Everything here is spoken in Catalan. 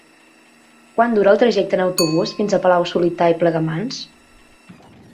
Quant dura el trajecte en autobús fins a Palau-solità i Plegamans?